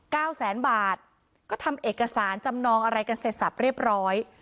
แสนบาทก็ทำเอกสารจำนองอะไรกันเสร็จสับเรียบร้อย